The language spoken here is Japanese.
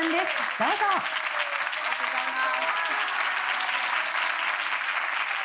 ありがとうございます。